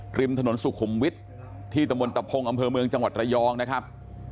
ริมถนนสุขุมวิทย์ที่ตะมนตะพงอำเภอเมืองจังหวัดระยองนะครับ